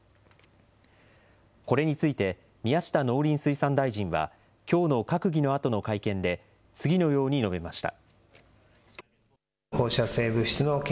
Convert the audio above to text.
これについて、宮下農林水産大臣は、きょうの閣議のあとの会見で、次のように述べました。